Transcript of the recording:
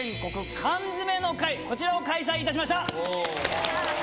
こちらを開催いたしました！